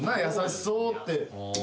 「優しそう」って。